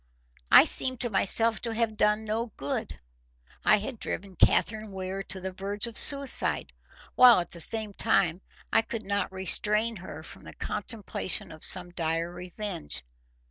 I seemed to myself to have done no good. I had driven Catherine Weir to the verge of suicide, while at the same time I could not restrain her from the contemplation of some dire revenge.